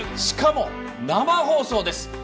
しかも、生放送です！